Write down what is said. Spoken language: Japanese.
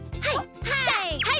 はい。